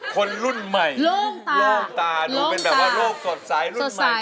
คนรุ่นใหม่โล่งตาดูเป็นแบบโล่งสดใสลงตา